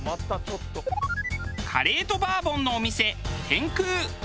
カレーとバーボンのお店どうも。